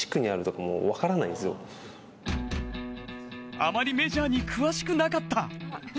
あまりメジャーに詳しくなかった。